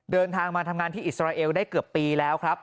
เดินทางมาทำงานที่อิสราเอลได้เกือบปีแล้วครับ